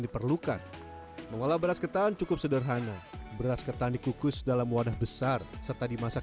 diperlukan mengolah beras ketan cukup sederhana beras ketan dikukus dalam wadah besar serta dimasak